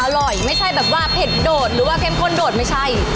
ไม่ใช่แบบว่าเผ็ดโดดหรือว่าเข้มข้นโดดไม่ใช่